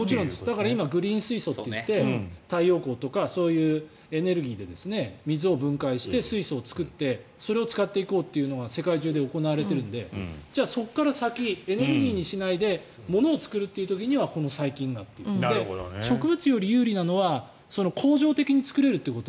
だから今グリーン水素といって太陽光とかそういうエネルギーで水を分解して水素を作ってそれを使っていこうというのが世界中で行われているのでじゃあそこから先エネルギーにしないで物を作る時にはこの細菌がということで植物より有利なのは恒常的に作れると。